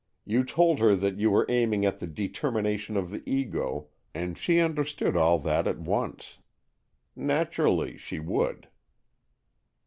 "You told her that you were aiming at the determination of the Ego, and she understood all that at once. Natur ally, she would."